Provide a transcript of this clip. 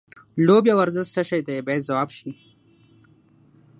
لوبې او ورزش څه شی دی باید ځواب شي.